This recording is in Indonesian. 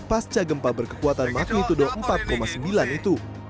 pasca gempa berkekuatan magni tuduh empat sembilan itu